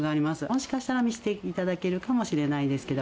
もしかしたら見せて頂けるかもしれないですけど。